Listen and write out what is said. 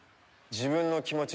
自分の気持ち？